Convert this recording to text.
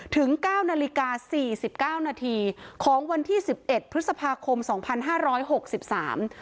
ถึงเก้านาฬิกาสี่สิบเก้านาทีของวันที่สิบเอ็ดพฤษภาคมสองพันห้าร้อยหกสิบสาม